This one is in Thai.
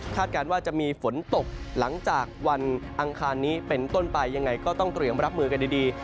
การว่าจะมีฝนตกหลังจากวันอังคารนี้เป็นต้นไปยังไงก็ต้องเตรียมรับมือกันดี